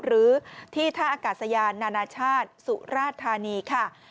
หรือที่ท่าอากาศยานนานาชาติสุราธานีค่ะ